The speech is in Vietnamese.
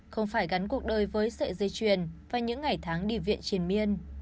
không phải gắn cuộc đời với sợi dây chuyền và những ngày tháng đi viện triển miên